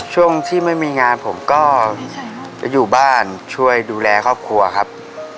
ช่วงที่ไม่มีงานผมก็จะอยู่บ้านช่วยดูแลครอบครัวครับ